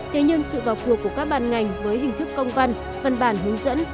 thế nhưng sự vào cuộc của các bàn ngành với hình thức công văn phần bản hướng dẫn